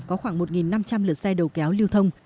có khoảng một năm trăm linh lượt xe đầu kéo lưu thông